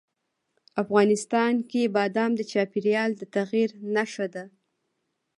افغانستان کې بادام د چاپېریال د تغیر نښه ده.